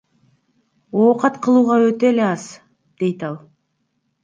Оокат кылууга өтө эле аз, дейт ал.